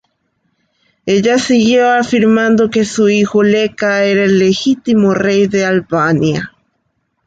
Ella siguió afirmando que su hijo Leka era el legítimo rey de Albania.